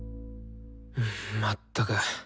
まったく。